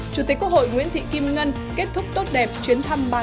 chủ tịch quốc hội nguyễn thị kim ngân kết thúc tốt đẹp chuyến thăm ba nước châu âu